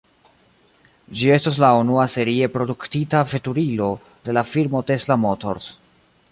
Ĝi estos la unua serie produktita veturilo de la firmo Tesla Motors.